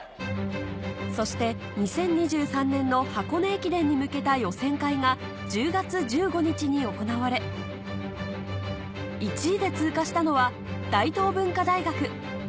そして２０２３年の箱根駅伝に向けた予選会が１０月１５日に行われ１位で通過したのは大東文化大学